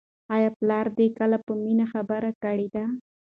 آیا پلار دې کله په مینه خبره کړې ده؟